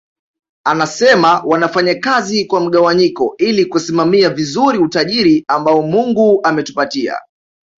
Anasema wanafanya kazi kwa mgawanyiko ili kusimamia vizuri utajiri ambao Mungu ametupatia